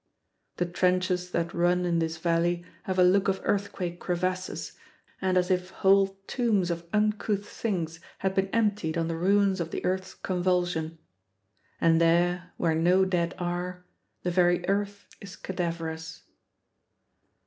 The trenches that run in this valley have a look of earthquake crevasses, and as if whole tombs of uncouth things had been emptied on the ruins of the earth's convulsion. And there, where no dead are, the very earth is cadaverous.